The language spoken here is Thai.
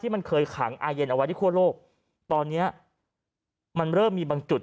มันเคยขังอาเย็นเอาไว้ที่คั่วโลกตอนเนี้ยมันเริ่มมีบางจุด